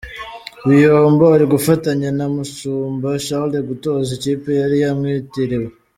Biyombo ari gufatanya na Mushumba Charles gutoza ikipe yari yamwitiriwe.